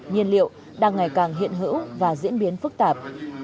nhiên liệu đang ngày càng hiện hữu và diễn biến phức tạp